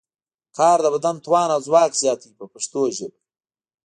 کار د بدن توان او ځواک زیاتوي په پښتو ژبه.